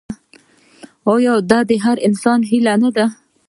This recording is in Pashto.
آیا دا د هر انسان هیله نه ده؟